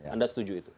anda setuju itu